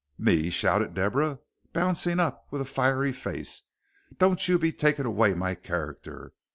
"Me!" shouted Deborah, bouncing up with a fiery face. "Don't you be taking away my character.